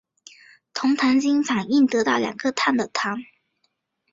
酮糖经反应得到少两个碳的糖。